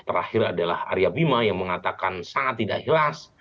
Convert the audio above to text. terakhir adalah aryabima yang mengatakan sangat tidak hilas